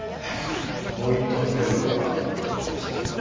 はいもう一棟建てるかどうかご検討中でしたね。